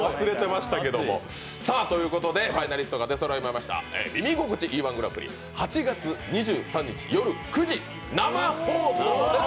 ということでファイナリストが出そろいました「耳心地いい−１グランプリ」８月２３日夜９時、生放送です。